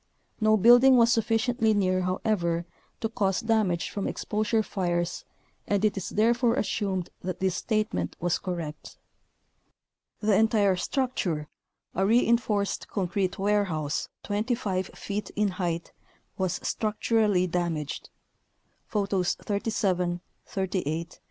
No building was sufficiently near, however, to cause damage from exposure fires and it is therefore assumed that this statement was correct. The entire structure, a reinforced concrete warehouse 25 feet in height, was structurally damaged (Photos 37, 38, 39) .